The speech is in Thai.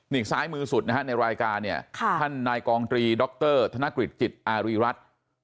นี่ซ้ายมือสุดนะฮะในรายการเนี่ยท่านนายกองตรีดรธนกฤษจิตอารีรัฐ